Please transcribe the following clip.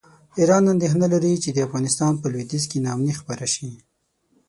ایران اندېښنه لري چې د افغانستان په لویدیځ کې ناامني خپره شي.